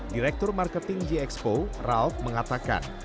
direktur marketing g expo ralf mengatakan